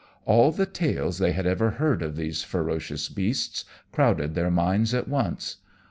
All the tales they had ever heard of these ferocious beasts crowded their minds at once.